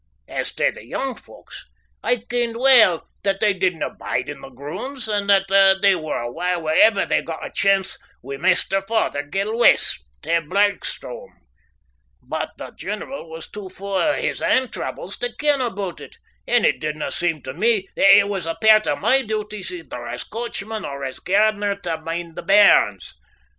As tae the young folks, I kenned weel that they didna bide in the groonds, and that they were awa' whenever they got a chance wi' Maister Fothergill West tae Branksome, but the general was too fu' o' his ain troubles tae ken aboot it, and it didna seem tae me that it was pairt o' my duties either as coachman or as gairdner tae mind the bairns.